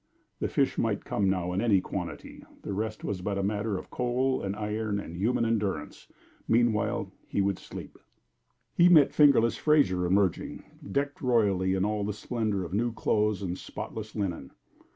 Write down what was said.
The fish might come now in any quantity; the rest was but a matter of coal and iron and human endurance. Meanwhile he would sleep. He met "Fingerless" Fraser emerging, decked royally in all the splendor of new clothes and spotless linen.